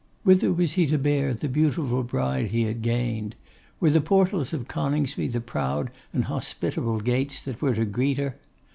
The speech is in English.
Whither was he to bear the beautiful bride he had gained? Were the portals of Coningsby the proud and hospitable gates that were to greet her?